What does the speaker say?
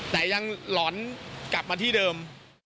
แต่ยังหลอนกลับมาที่เดิม